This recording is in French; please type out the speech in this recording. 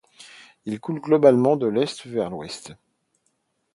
Il coule globalement de l'est l'ouest.